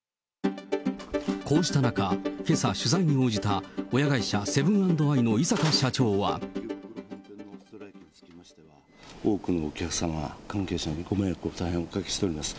こうした中、けさ、取材に応じた親会社、セブン＆アイの井阪社長は。多くのお客様、関係者に大変ご迷惑をおかけしております。